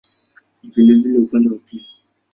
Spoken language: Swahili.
Ni vilevile upande wa pili.